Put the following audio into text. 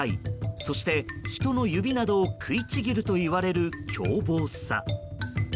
そして、人の指などを食いちぎるといわれる凶暴さ。